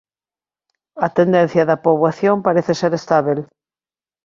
A tendencia da poboación parece ser estábel.